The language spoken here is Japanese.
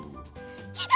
きた！